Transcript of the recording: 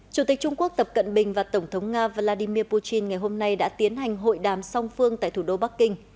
chủ tịch trung quốc tập cận bình và tổng thống nga vladimir putin ngày hôm nay đã tiến hành hội đàm song phương tại thủ đô bắc kinh